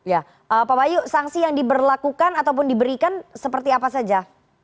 ya pak bayu sanksi yang diberlakukan ataupun diberikan seperti apa saja